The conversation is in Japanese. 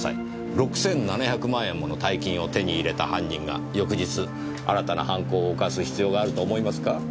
６７００万円もの大金を手に入れた犯人が翌日新たな犯行を犯す必要があると思いますか？